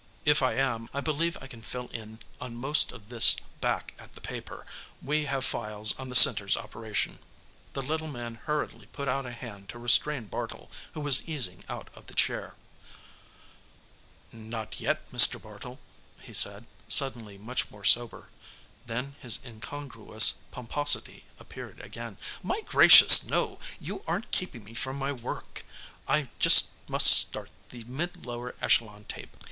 If I am, I believe I can fill in on most of this back at the paper; we have files on the Center's operation." The little man hurriedly put out a hand to restrain Bartle who was easing out of the chair. "Not yet, Mr. Bartle," he said, suddenly much more sober. Then his incongruous pomposity appeared again. "My gracious, no, you aren't keeping me from my work. I just must start the Mid Lower Echelon tape.